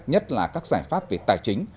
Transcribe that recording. nhất là các giải pháp về tài chính